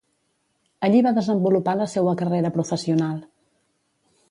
Allí va desenvolupar la seua carrera professional.